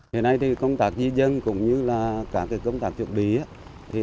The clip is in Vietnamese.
hiện nay công tác di dân cũng như các công tác trước bí